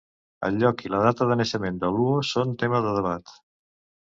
El lloc i la data de naixement de Luo són tema de debat.